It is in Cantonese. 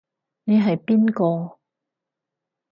你係邊個？